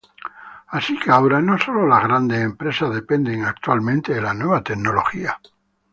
Así que ahora, no sólo las grandes empresas dependen actualmente de la nueva tecnología.